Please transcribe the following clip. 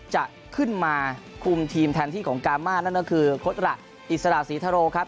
จะขึ้นมาคุมทีมแทนที่ของกามานั่นก็คือโค้ดระอิสระศรีทโรครับ